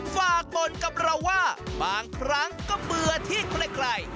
ฝากบ่นกับเราว่าบางครั้งก็เบื่อที่ไกล